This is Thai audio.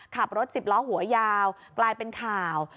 ขับรถสิบล้อหัวยาวกลายเป็นข่าว